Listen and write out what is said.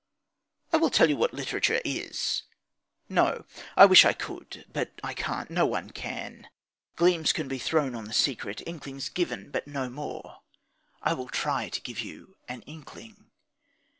I will tell you what literature is! No I only wish I could. But I can't. No one can. Gleams can be thrown on the secret, inklings given, but no more. I will try to give you an inkling.